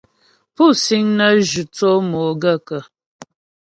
Pú síŋ nə́ zhʉ́ tsó mo gaə̂kə́ ?